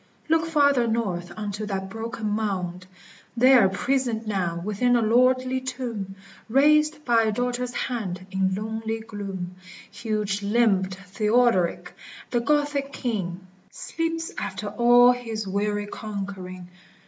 Look farther north unto that broken mound, — There, prisoned now within a lordly tomb Raised by a daughter's hand, in lonely gloom, Huge limbed Theodoric, the Gothic king, Sleeps after all his weary conquering.